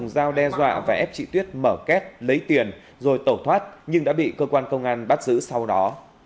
dao đe dọa và ép chị tuyết mở két lấy tiền rồi tẩu thoát nhưng đã bị cơ quan công an bắt giữ sau đó